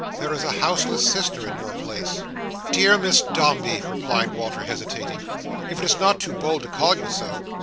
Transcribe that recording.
"There is a houseless sister in your place." "Dear Miss Dombey," replied Walter, hesitating—"if it is not too bold to call you so!